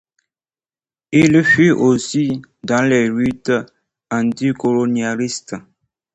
Il fut aussi tôt engagé dans les luttes anticolonialistes.